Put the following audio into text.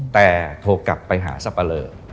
แต่โทรกลับไปหาสับปะเลอ